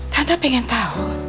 tante pengen tau